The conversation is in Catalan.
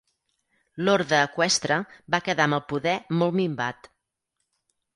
L'orde eqüestre va quedar amb el poder molt minvat.